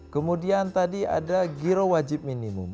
kemudian tadi ada giro wajib minimum